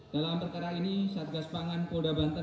dalam perkara ini satgas pangan polda banten